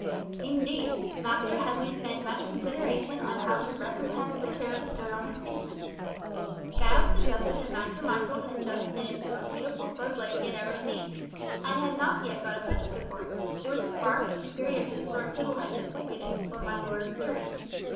Indeed, Master Headley spent much consideration on how to recompense the care bestowed on his kinsman. Giles suggested that Master Michael had just finished the most beautiful sword blade he had ever seen, and had not yet got a purchaser for it; it was far superior to the sword Tibble had just completed for my Lord of Surrey.